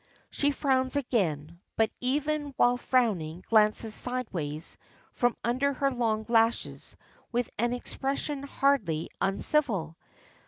She frowns again, but even while frowning glances sideways from under her long lashes with an expression hardly uncivil.